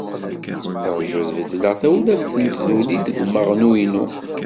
Rju ad beddleɣ tawlaft n tduli deg umaɣnu-inu.